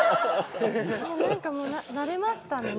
何かもう慣れましたね。